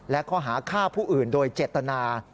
และข้อหาฆ่าผู้อื่นโดยเจตนา